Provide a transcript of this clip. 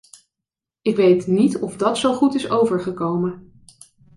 Ik weet niet of dat zo goed is overgekomen.